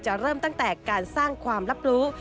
เริ่มตั้งแต่การสร้างความรับรู้